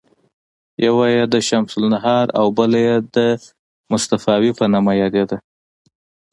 یوه یې د شمس النهار او بله یې د مصطفاوي په نامه یادیده.